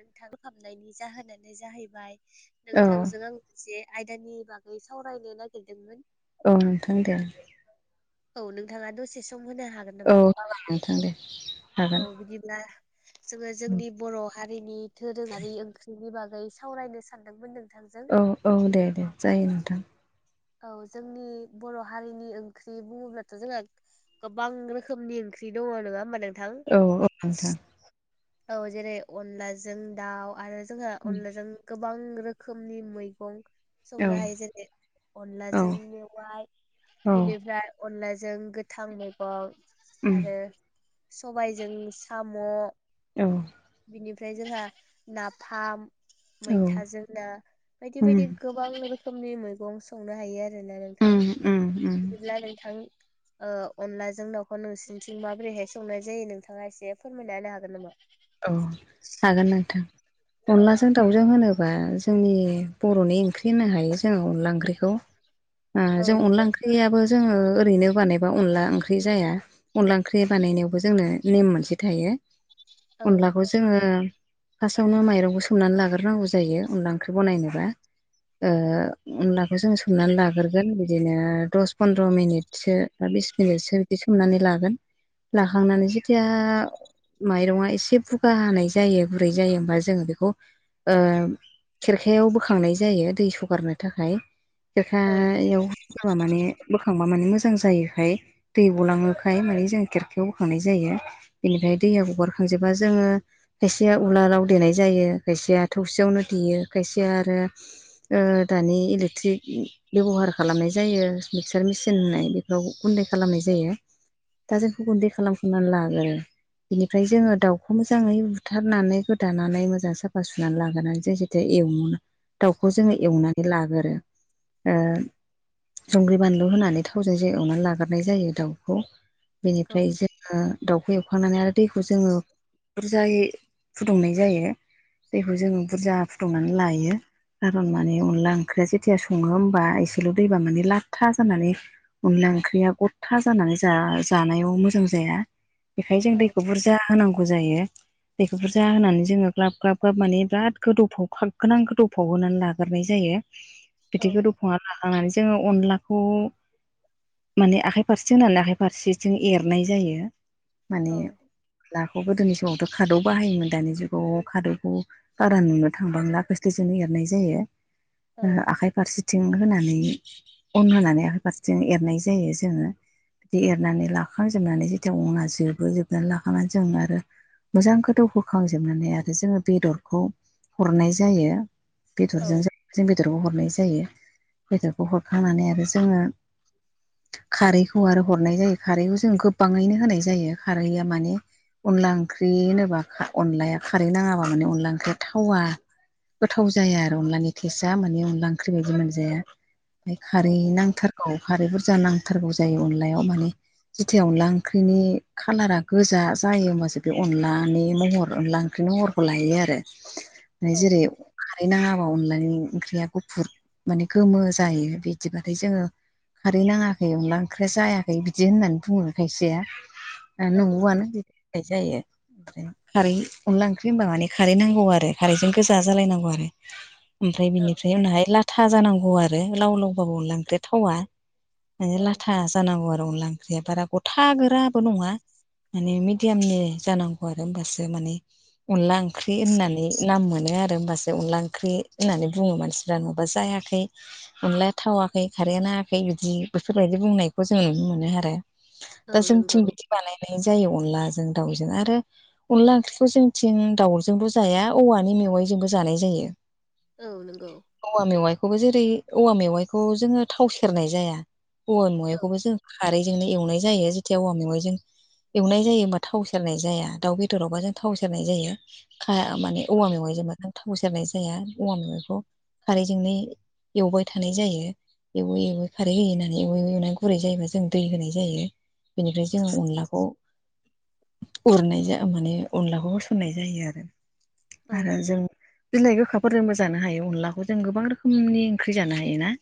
नोंथांखौ खामनायनि जाहोनानो जाहैबाय औ नोंथांजों आं मोनसे आयदानि बागै सावरायनो नागिरदोंमोन। औ नोंथां दे औ नोंथाङा दसे सम होनो हागोन औ नामा? हागोन नोंथां दे औ हागोन बिदिब्ला जोङो जोंनि बर' हारिनि दोरोङारि ओंख्रि नि बागै सावरायनो सानदोंमोन नोंथांजों औ औ दे दे जायो नोंथां औ जोंनि बर' हारिनि ओंख्रि बुङोब्लाथ' जोंहा गोबां रोखोमनि ओंख्रि दङ नङा होमबा नोंथां औ औ नोंथां औ जेरै अनलाजों दाउ आरो जोंहा अनलाजों गोबां रोखोमनि मैगं औ संनो हायो जेरै औ अनलाजों मेवाइ औ बेनिफ्राय अनलाजों गोथां मैगं उम आरो सबायजों साम' औ बिनिफ्राय जोंहा नाफाम औ मैथाजों [unintelligible] बायदि उम बायदि गोबां रोखोमनि मैगं संनो हायो आरोना नोंथां उम उम उम बिदिब्ला नोंथां अनलाजों दाउखौ नोंसिनिथिं माबोरैहाय संनाय जायो नोंथाङा एसे फोरमायना होनो हागोन नामा? औ हागोन नोंथां औ अनलाजों दाउ जों होनोबा जोंनि बर'नि ओंख्रि होननो हायो जोङो अनला ओंख्रिखौ औ जों अनला नंगौ ओंख्रियाबो जोङो ओरैनो बानायबा अनला ओंख्रि जाया अनला ओंख्रि बानायनायावबो जोंनो नेम मोनसे थायो [inaudible] अनलाखौ जोङो फास्टआवनो माइरंखौ सोमनानै लाग्रोनांगौ जायो अनला ओंख्रि बनायनोबा अनलाखौ जों सोमनानै लाग्रोगोन बिदिनो दस फन्द्र' मिनिटसो बा बिस मिनिटसो बिदि सोमनानै लागोन लाखांनानै जेथिया माइरंआ एसे एसे बुगा हानाय जायो बुरै जायो होमबा जोङो बेखौ ओ खेरखायाव बोखांनाय जायो दै सगारनो थाखाय औ खेरखायाव होबा माने बोखांबा माने मोजां जायोखाय दै गलाङोखाय मानि जों खेरखायावखांनाय जायो बेनिफ्राय दैया गगारखांजोब बा जोङो खायसेया उलारआव देनाय जायो खायसेया थौसियावनो देयो खायसेया आरो दानि इलेक्ट्रिक बेब'हार खालामनाय जायो मिक्सार मेसिन होननाय बे बेयाव गुन्दै खालामनाय जायो दा जोंखौ गुन्दै खालामखानानै लागो बेनिफ्राय जोङो दाउ [unintelligible] मोजाङै बुथारनानै गोदानानै मोजां साफा सुनानै लाग्रोनानै जों जेथिया एवो दाउखौ जोङो एवनानै लागोरो दा संग्रि बानलु होनानै थावजों जे एवनानै लागारनाय जायो दाउखौ औ बेनिफ्राय जोङो दाउखौ एवखांनानै आरो दैखौ जोङो बुरजायै फुदुंनाय जायो दैखौ जोङो बुरजा फुदुंनानै लायो खारन माने अनला ओंख्रिया जेथिया सङो होमबा एसेल' दैबा माने लाथथा जानानै अनला ओंख्रिया गथा जानानै जा-जानायाव मोजां जाया बेखायनो जों औ दैखौ बुरजा होनांगौ जायो दैखौ बुरजा होनानै जोङो ग्लाब ग्लाब ग्लाब माने बिराद गोदौफाव फाग गोनां गोदौफाव होनानै लाग्रोनाय जायो औ बिदि गोदौफावना लाखांनानै जोङो अनलाखौ माने आखाइ फारसे होननानै आखाइ फारसेथिं एरनाय जायो माने बे गोदोनि समावथ' खादौ बाहायोमोन दानि जुगाव खादौखौ बारा नुनो थांबांला खोस्लिजोंनो एरनाय जायो औ आखाइ फारसे थिं होनानै अन होनानै आाय फारसेथिं एरनाय जायो जोङो बिदि एरनानै लाखांजोबनानै जेथि अना जोबो जोबनानै लाखांनानै जोङो आरो मोजांखौथौ होखांजोबनानै आरो जोंङो बेदरखौ हरनाय जायो। बेदरजों ज जों बेदरखौ हरनाय जायो बेदरखौ हरखांनानै आरो जोंङो खारैखौ आरो हरनाय जायो खारैखौ जों गोबाङैनो होनाय जायो खारैआ माने अनला ओंख्रि होनोब्ला अनलाया खारै नाङाबा माने अनला ओंख्रिया थावा। गोथाव जाया आरो अनलानि टेस्टआ माने अनला ओंख्रि बायदि मोनजाया। ओमफाय औ खारै नंगौ नांथारगौ खारै बुरजा नांथारगौ जायो अनलायाव माने जिथिया अनला ओंख्रिनि खालारा गोजा जायो होमबासो बे अनलानि महर अनला ओंख्रिनि महरखौ लायो आरो औ जेरै खारै नाङाबा अनलानि ओंख्रिया गुफुर माने गोमो जायो बिदिबाथाय जोंङो खारै नाङाखै अनला ओंख्रिया जायाखै बिदि होननानै बुङो खायसेया औ नंगौ नंगौआनो [unintelligible] जायो खारै अनला ओंख्रि होनबा माने खारै नांगौ आरो खारैजों गोजा जालायनांगौ आरो। ओमफ्राय औ बिनिफ्राय उनावहाय लाथा जानांगौ आरो लाव लावबाबो अनला ओंख्रिया थावा। माने औ लाथा जानांगौ आरो अनला ओंख्रिया बारा गथा गोराबो नङा माने मिडयामनि जानांगौ आरो होमबासो माने अनला ओंख्रि होननानै नाम मोनो आ रो होमबासो अनला ओंख्रि होननानै बुङो मानसिफ्रा नङाब्ला जायाखै अनलाया थावाखै खारैया नाडाखै बिदि बेफोरबायदि बुंनायखौ जों नुनो मोनो आरो। दा औ जोंनिथिं नंगौ बिदि बानायनाय जायो अनलाजों दाउजों आरो अनला ओंख्रिखौ जोंनिथिं दाउजोंबो जाया औवानि मेवाइजोंबो जानाय जायो। औ नंगौ औवा मेवाइखौबो जेरै औवा मेवाइखौ जोंङो थाव सेरनाय जाया औवा औ मेवाइखौबो जों खारैजोंनो एवनाय जायो जेथिया औवा मेवाइजों एवनाय जायो होमबा थाव सेरनाय जाया दाउ बेदरावबा जों थाव सेरनाय जायो खा माने औ औवा मेवाइ जों थाव सेरनाय जाया औवा मवाखौ खारैजोंनो एवबाय थानाय जायो। एवै एवै खारै होयो होननानै एवै एव एवनानै गुरै जायोबा जों दै होनाय जायो। बेनिफ्राय जोंङो अनलाखौ उरनाय जा माने अनलाखौ होसननाय जायो आरो औ आरो जों बिलाइ गोखाफोरजोंबो जानो हायो अनलाखौ जों गोबां रोखोमनि ओंख्रि जानो हायोना।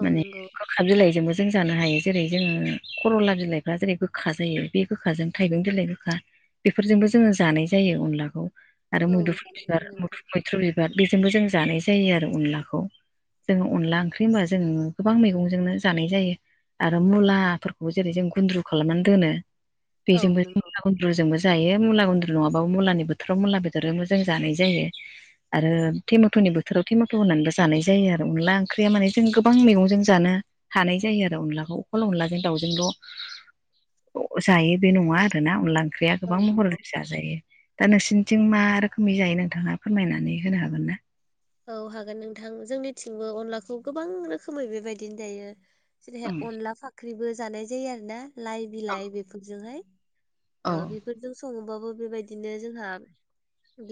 औ नंगौ खा बिलाइजोंबो जों जानो हायो जेरै जोंङो खरला बिलाइफ्रा जेरै गोखा जायो बे गोखाजों थाइबें बिलाइ गोखा बेफोरजोंबो जोंङो जानाय जायो अनलाखौ। आरो औ मुदुफुल जानायजों बिबार नोंथां मु-मैथ्रु बिबार बेजोंबो जों जानाय जायो आरो अनलाखौ। जोङो अनला ओंख्रि होनबा जों गोबां मैगंजोंनो जानाय जायो। आरो मुलाफोरखौबो जेरै जों गुन्द्रु खालामनानै दोनो औ बेजोंबो जों नंगौ गुन्द्रुजोंबो जायो मुला गुन्द्रु नङाबाबो मुलानि बोथोराव मुला बेदरजोंबो जों जानाय जायो। आरो थमेट'नि बोथोराव टेमेट' होननानैबो जानाय जायो आरो अनला ओंख्रिया माने जों गोबां मैगंजों जानो हानाय जायो आरो अनलाखौ अखल अनलाजों दाउजोंल' जायो। बे नङा आरोना अनला ओंख्रिया औ गोबां महर नंगौ फिसा जायो दा नोंसिोरनिथिं मा रोखोमनि जायो नोंथाङा फोरमायनानै होनो हागोनना। औ हागोन नोंथां जोंनिथिंबो अनलाखौ गोबां रोखोमै बेबायदिनो जायो। जेरैहाय अनला फाख्रिबो जानाय जायो आरो ना लाइ बिलाइ बेफोरजोंहाय औ ओ बेफोर जों सं बाबो बेबायदिनो जोंहा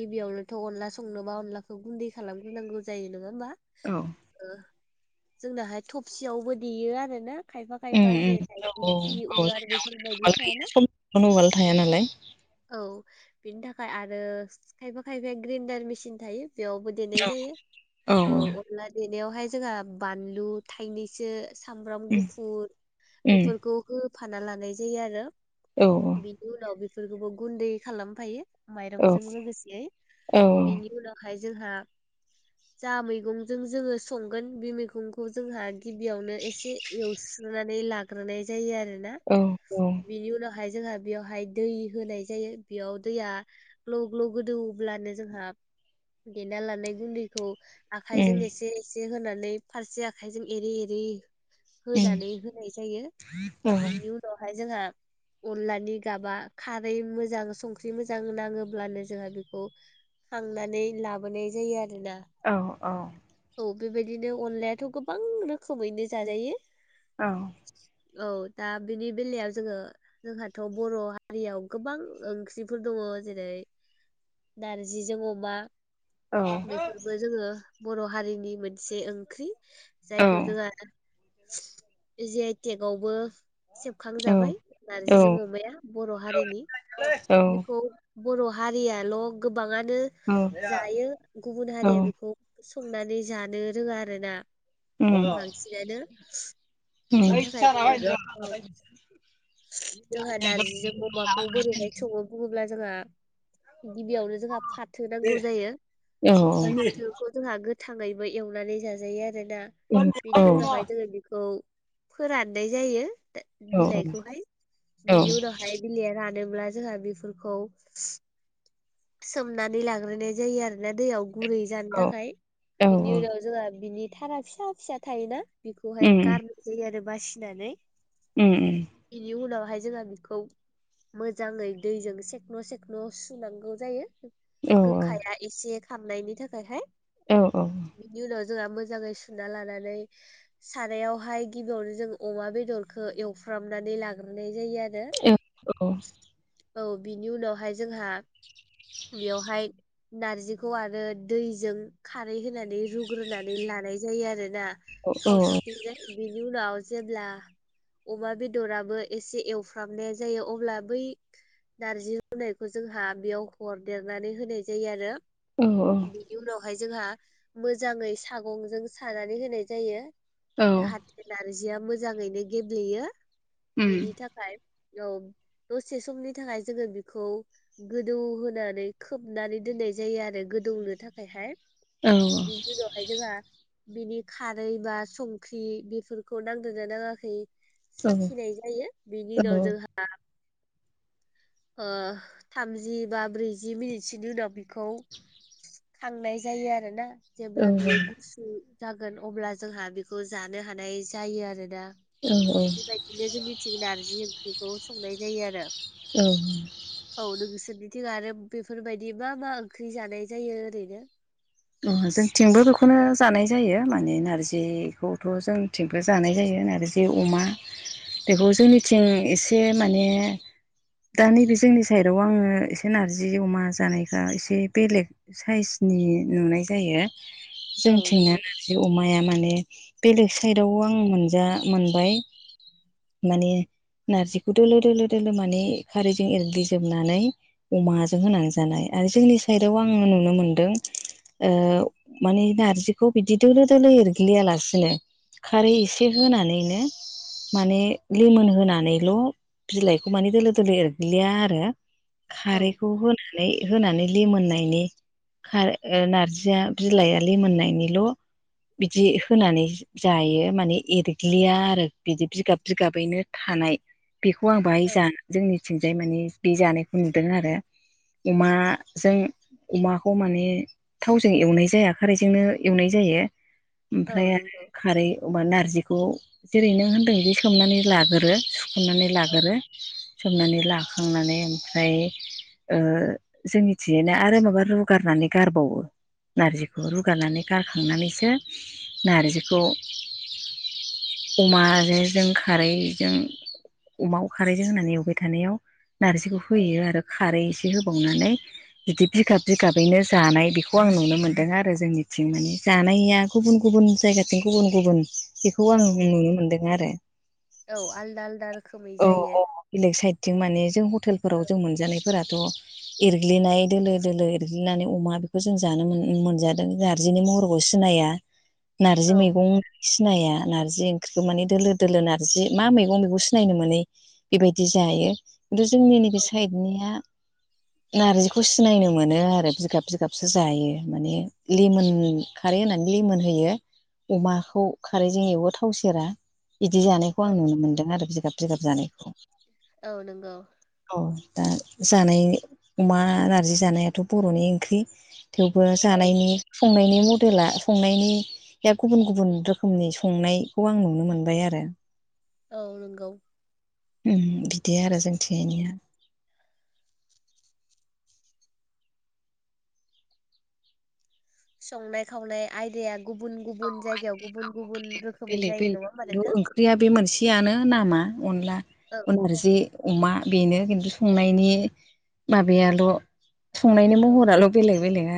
गिबियावनो थ अनला संनोबा अनलाखौ गुन्दै खालामग्रोनांगौ जायो नङा होमबा। औ ओ जोंनाहाय थफसियावबो देयो आरोना। खायफा खायफा उम उम जेरैहाय औ दिंखि औ उलार जोंना बेफोरबायदि उवाल गैया थायाना। समखौनो उवाल थाया नालाय औ बिनि थाखाय आरो खायफा खायफाया ग्रेन्डार मेसिन थायो बेयावबो देनाय औ जायो औ अनला देनायावहाय जोंहा बानलु थाइनैसो सामब्राम उम गुफुर उम बेफोरखौ होफाना लानाय जायो आरो। औ औ [unintelligible] बेसोरखौबो गुन्दै खालामफायो औ माइरंजों लोगोसेयै औ बिनि उनाव -हाय जोंहा जा मैगंजों जोङो संगोन बे मैगंखौ जोंहा गिबियावनो एसे एवस्रोनानै लाग्रोनाय जायो आरोना औ उम उम बिनि उनावहाय जोंहा बेवहाय दै होनाय जायो बेयाव दैया ग्ल' ग्ल' गोदौब्लानो जोंहा देना लानाय गुन्दैखौ औ आखाइजों एसे एसे होनानै फारसे आखाइजों एरै एरै होनानै होनाय जायो बिनि उनावहाय जोंहा अनलानि गाबा खारै मोजां संख्रि मोजां नाङोब्लानो जोंहा बेखौ खांनानै लाबोनाय जायो आरोना। औ औ। औ बेबायदिनो अनलायाथ' गोबां रोखोमैनो जाजायो। औ। औ दा बिनि बेलायाव जोङो जोंहाथ' बर' हारियाव गोबां ओंख्रिफोर दङ जेरै नारजिजों अमा। औ [unintelligible] -फोरबो जोङो बर' हारिनि मोनसे ओंख्रि औ उम औ उम औ उम औ जायखौ जोंओ जिअ टेकआवबो सेबखांजादों नारजिजों अमाया बर' हारिनि बिखौ बर' हारियाल' गोबाङानो जायो गुबुन हारिया बे -खौ संनानै जानो रोङा आरो ना। बांसिनानो बिनि थाखायनो औ जोंहा नारजिजों अमाखौ बोरैहाय सङो बुंब्ला जोंहा गिबियावनो जोंहा फाथो नांगौ जायो। औ औ [unintelligible] बेखौ जोंहा गोथाङैबो एवनानै जाजायो आरोना बेनि उनावहाय जोङो बेखौ फोराननाय जायो बिलाइखौहाय बिनि उनाव -फाय बिलाइया रानोब्ला जोंहा बेफोरखौ सोमनानै लाग्रोनाय जायो आरोना दैयाव। गुरै जानो थाखाय बिनि उनाव जोंहा बिनि थारा फिसा फिसा थायोना। बेखौहाय गारनाय जायो आरो बासिनानै। उम उम। इनि उनावहाय जोंहा बेखौ मोजाङै दैजों सेखन' सेखन' सुनांगौ। जायो औ गोखाया एसे खारनायनि थाखायहाय। औ औ। बिनि उनाव जोंहा मोजाङै सुना लानानै सारायावहाय गिबियावनो जों अमा बेदरखौ एवफ्रामनानै लाग्रोनाय जायो आरो। औ बिनि उनावहाय जोंहा बेवहाय नारजिखौ आरो दैजों खारै होनानै रुग्रोनानै लानाय जायो आरोना। खौसेथिंजाय बिनि उनाव जेब्ला अमा बेदराबो एसे एवफ्रामनाया जायो अब्ला बै नारजियाव रुनायखौ जोंहा बेयाव हरदेरनानै होनाय जायो आरो। औ औ। बेनि उनावहाय जोंहा मोजाङै सागंजों सानानै होनाय जायो जाहाथे नारजिया मोजाङैनो गेब्लेयो बिनि थाखाय। औ दसे समनि थाखाय जोङो बेखौ गोदौहो -नानै खोबनानै दोननाय जायो आरो गोदौनो थाखायहाय। बिनि उनावहाय जोंहा बिनि खारै बा संख्रि बेफोरखौ नांदोंना नाङाखै, साखिनाय जायो बिनि उनाव जोंहा, ओ थामजि बा, ब्रैजि मिनिटसोनि उनाव बिखौ खांनाय जायो आरोना जेब्ला बियो गुसु जागोन अब्ला जोंहा बेखौ जानो हानाय जायो आरोना? औ औ बिदिनो जोंनिथिं नारजि ओंख्रिखौ संनाय जायो आरो औ औ नोंसोरनिथिं आरो बेफोरबायदि मा मा ओंख्रि जानाय जायो? ओरैनो। जोंनिथिंबो बेखौनो जानाय जायो माने नारजिखौथ' जों, थिंबो जानाय जायो नारजि अमा बेखौ जोंनिथिं एसे माने, दा नैबे जोंनि साइडआव आङो एसे नारजि अमा जानायफ्रा एसे बेलेग साइसनि नुनाय जायो औ जोंथिंना, नंगौ नारजि अमाया माने बेलेग साइदाव आं मोनजा मोनबाय माने नारजिखौ दोलो दोलो दोलो माने खारैजों एरग्लि जोबनानै, अमाजों होनानै जानाय आरो जोंनि साइडआव आङो नुनो मोनदों, ओ माने नारजिखौ बिदि दोलो दोलो एरग्लियालासिनो, खारै एसे होनानैनो माने लेमोन होनानैल' बिलाइखौ माने दोलो दोलो एरग्लिया आरो औ खारैखौ होनानै होनानै लिमोननायनि खार ओ नारजिया बिलाइआ लिमोननायनिल' बिदि होनानै, जायो माने एरग्लिया आरो बिदि बिगाब बिगाबैनो थानाय, बेखौ आं बाहाय औ जा जोंनिथिंजाय मानि बे जानायखौ नुदों आरो अमाजों अमाखौ माने थावजों एवनाय जाया खारैजोंनो एवनाय जायो। ओमफ्राय औ आरो नंगौ खारै अबा नारजिखौ जेरै नों होन्दों बे सोमनानै लागोरो सुख'नानै औ लागोरो सोमनानै लाखांनानै ओमफ्राय, ओ जोंनिथिंजायना आरो माबा रुगारनानै गार हबावो नारजिखौ रुगारनानै गारखांनानैसो, नार्जिखौ अमाजों जों खारैजों अमाखौ खारैजों होनानै एवबाय थानायाव, नारजिखौ होयो आरो खारै एसे होबावनानै बिदि बिगाब बिगाबैनो, जानाय बेखौ आं नुनो मोनदों आरो जोंनिथिं माने जानाया गुबुन गुबुन जायगाथिं गुबुन गुबुन, बेखौ आं औ नुनो मोनदों आरो औ आलदा आलदा रोखोमै औ जायो औ बेलेग साइदथिं माने जों हटेलफोराव जों मोनजानायफोराथ' एरग्लिनाय दोलो दोलो एरग्लिनानै अमा बेखौ जों जानो मोनजादों नारजिनि महरखौ सिनाया, [unintelligible] नारजि औ मैगं सिनाया नारजि ओंख्रिखौ माने दोलो दोलो नारजि मा मैगं बेखौ सि सिनायनो मोनै बेबायदि जायो खिन्थु जोंनि नैबे साइडनिया नारजिखौ सिनायनो मोनो आरो बिगाब बिगाबसो जायो माने लिमोन खारै होनानै लिमोन होयो अमाखौ खारैजों एवो थाव सेरा बिदि जानाय, खौ औ आं नुनो मोनदों आरो जिगाब जिगाब जानायखौ। औ नंगौ औ दा जानाय अमा नारजि जानायाथ' बर'नि ओंख्रि। थेवबो औ जानायनि संनायनि दोला संनायनि या गुबुन गुबुन रोखोमनि संनायखौ आं नुनो मोनबाय आरो। औ नोंगौ। ओम बिदि आरो जों थिंयानिया। संनाय खावनाय आयदाया गुबुन गुबुन जायगायाव गुबुन गुबुन रोखोमै बेलेग जायो बेलेग नङा होमबा खिन्थु नोंथां। ओंख्रिया बे मोनसेयानो नामा अनला औ नारजि, अमा बेनो खिन्थु संनायनि माबायाल' संनायनि औ महराल' बेलेग बेलेग आरो